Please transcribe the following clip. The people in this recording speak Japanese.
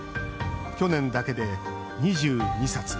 去年だけで２２冊。